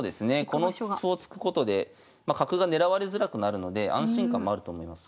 この歩を突くことで角が狙われづらくなるので安心感もあると思います。